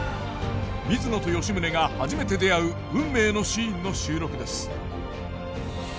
水野と吉宗が初めて出会う運命のシーンの収録です。